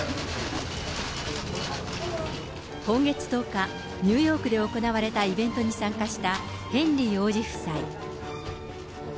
今月１０日、ニューヨークで行われたイベントに参加したヘンリー王子夫妻。